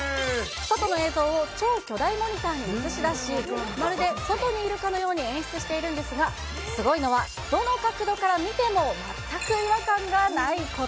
外の映像を超巨大モニターに映し出し、まるで外にいるかのように演出しているんですが、すごいのは、どの角度から見ても、全く違和感がないこと。